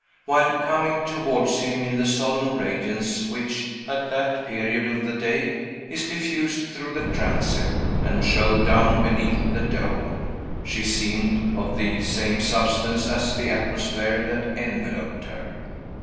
While coming towards him in the solemn radiance which, at that period of the day, is diffused through the transept, and showered down beneath the dome, she seemed of the same substance as the atmosphere that enveloped her.